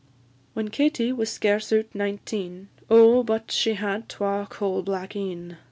"_ When Katie was scarce out nineteen, Oh, but she had twa coal black een!